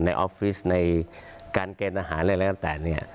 ออฟฟิศในการเกณฑ์อาหารอะไรแล้วแต่เนี่ย